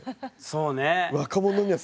そうね。